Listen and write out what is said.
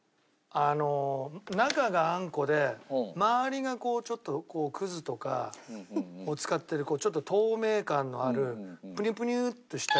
あの中があんこで周りがちょっとくずとかを使ってるちょっと透明感のあるプニュプニュとしたやつの団子。